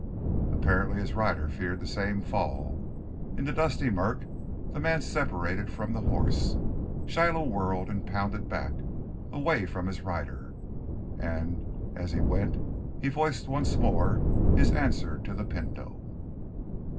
Apparently his rider feared the same fall. In the dusty murk the man separated from the horse. Shiloh whirled and pounded back, away from his rider, and as he went he voiced once more his answer to the Pinto.